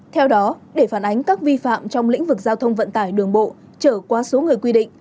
theo đó để phản ánh các vi phạm trong lĩnh vực giao thông vận tải đường bộ trở qua số người quy định